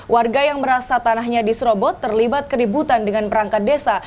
warga yang merasa tanahnya diserobot terlibat keributan dengan perangkat desa